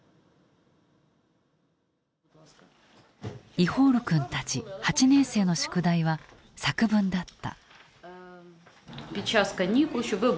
イホール君たち８年生の宿題は作文だった。